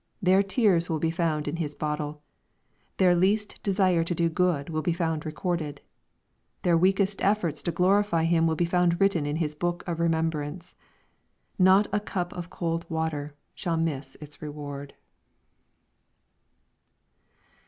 Their tears will be found in His bottle. Their least desires to do good will be found recorded. Their weakest eflforts to glorify Him will be found written in His book of remembrance. Not a cup of cold water shall miss its reward.